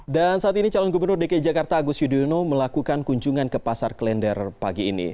dan saat ini calon gubernur dki jakarta agus yudhoyono melakukan kunjungan ke pasar klender pagi ini